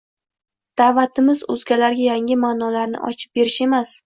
“Da’vat”imiz o‘zgalarga yangi ma’nolarni ochib berish emas